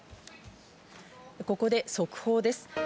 ここで速報です。